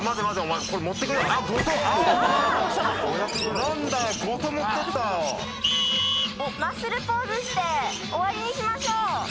マッスルポーズして終わりにしましょう。